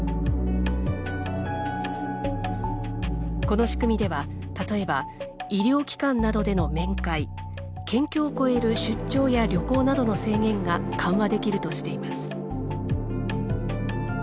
この仕組みでは例えば医療機関などでの面会県境を越える出張や旅行などの制限が緩和できるとしています。